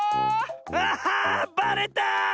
あっバレた！